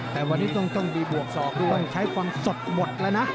แต่วันนี้ต้องใช้ความสดหมดแล้วนะ